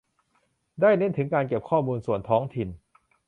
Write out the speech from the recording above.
ได้เน้นถึงการเก็บข้อมูลของส่วนท้องถิ่น